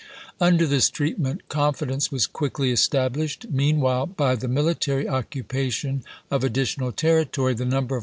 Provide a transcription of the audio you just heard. Under this treatment confidence was Dgc.isTsei quickly established. Meanwhile, by the military Feb.^9!*i862. occupation of additional territory, the number of v^ivi.